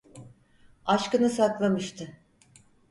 Aşkını saklamıştı.